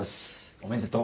おめでとう。